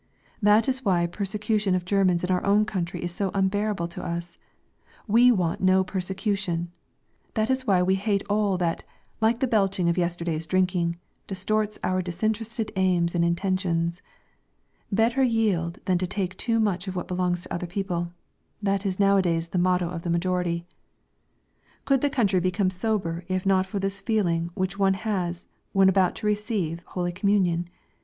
That is why persecution of Germans in our own country is so unbearable to us; we want no persecution; that is why we hate all that, like the belching of yesterday's drinking, distorts our disinterested aims and intentions: better yield than take too much of what belongs to other people that is nowadays the motto of the majority. Could the country become sober if not for this feeling which one has when about to receive holy communion?